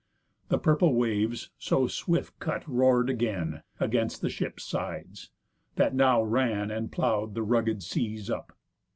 The purple waves, so swift cut, roar'd again Against the ship sides, that now ran and plow'd The rugged seas up.